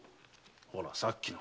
ほらさっきの。